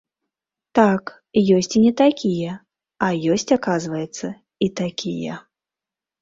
Так, ёсць і не такія, а ёсць, аказваецца, і такія.